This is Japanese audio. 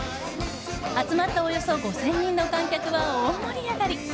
集まった、およそ５０００人の観客は大盛り上がり。